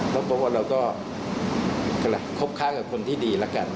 แล้วผมว่าเราก็คบค้างกับคนที่ดีแล้วกัน